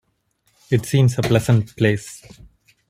It seems a pleasant place.